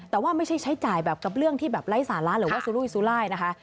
แต่ว่าไม่ใช่ใช้จ่ายแบบกับเรื่องที่แบบไร้สาระหรือว่าสุรุยสุรายนะคะ